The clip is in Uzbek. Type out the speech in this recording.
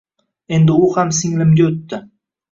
Endi u ham singlimga o‘tdi